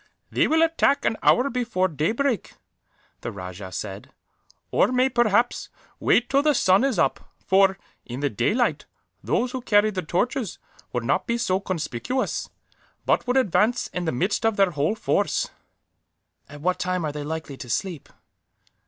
"They will attack an hour before daybreak," the rajah said; "or may, perhaps, wait till the sun is up for, in the daylight, those who carried the torches would not be so conspicuous, but would advance in the midst of their whole force." "At what time are they likely to sleep?"